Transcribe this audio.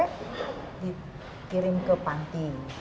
dikirim ke panti